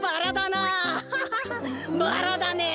バラだねえ。